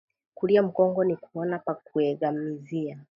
Kulia mukongo nikuona pa kuuegamizia